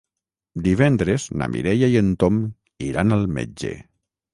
Divendres na Mireia i en Tom iran al metge.